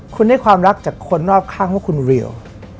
คุณได้ความรักจากคนรอบข้างว่าคุณเรียว